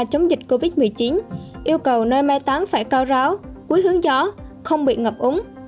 chống dịch covid một mươi chín yêu cầu nơi mai táng phải cao ráo cúi hướng gió không bị ngập úng